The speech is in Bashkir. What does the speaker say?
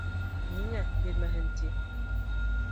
— Ниңә бирмәһен ти?